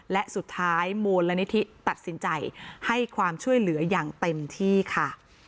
และสุดท้ายมูลนิธิตัดสินใจให้ความช่วยเหลืออย่างเต็มที่ค่ะ